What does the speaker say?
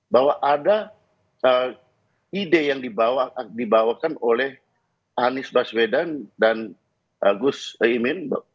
bahwa ada ide yang dibawakan oleh anies baswedan dan gus imin